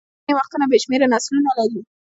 حیوانات ځینې وختونه بې شمېره نسلونه لري.